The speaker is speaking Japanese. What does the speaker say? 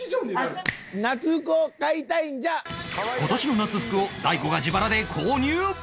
今年の夏服を大悟が自腹で購入！